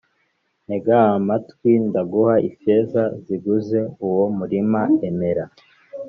ntega amatwi ndaguha ifeza ziguze uwo murima emera